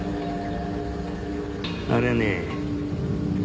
あれはね。